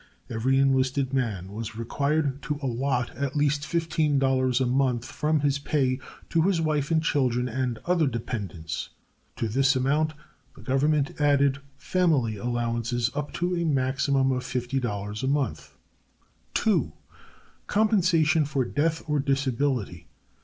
_ Every enlisted man was required to allot at least $15 a month from his pay to his wife and children and other dependents. To this amount the Government added family allowances, up to a maximum of $50 a month. 2. _Compensation for Death or Disability.